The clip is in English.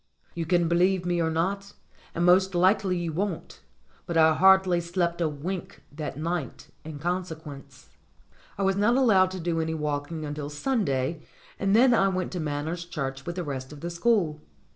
You can believe me or not and most likely you won't but I hardly slept a wink that night in consequence. I was not allowed to do any walking until Sunday, and then I went to Manners Church with the rest of the school.